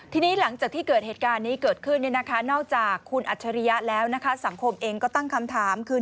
ทีนี้หลังจากที่เกิดเหตุการณ์นี้เกิดขึ้นนอกจากคุณอัจฉริยะแล้วนะคะสังคมเองก็ตั้งคำถามคือ